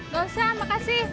gak usah makasih